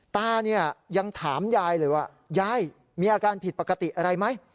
ตาเนี่ยยังถามยายเลยว่ายายมีอาการผิดปกติอะไรไหม